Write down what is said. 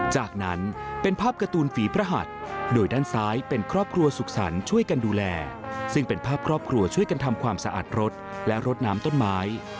จากนั้นเป็นภาพการ์ตูนฝีพระหัสโดยด้านซ้ายเป็นครอบครัวสุขสรรค์ช่วยกันดูแลซึ่งเป็นภาพครอบครัวช่วยกันทำความสะอาดรถและรดน้ำต้นไม้